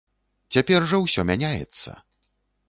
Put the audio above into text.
Цяпер жа ўсё мяняецца.